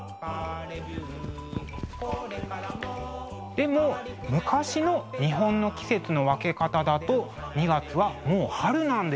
でも昔の日本の季節の分け方だと２月はもう春なんです。